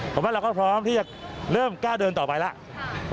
ผมว่าเราก็พร้อมที่จะเริ่มกล้าเดินต่อไปแล้ว